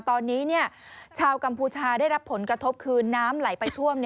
ตอนนี้ชาวกัมพูชาได้รับผลกระทบคือน้ำไหลไปท่วม